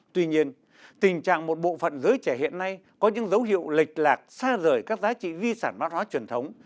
tuy nhiên tình trạng một bộ phận giới trẻ hiện nay có những dấu hiệu lệch lạc xa rời các giá trị di sản văn hóa truyền thống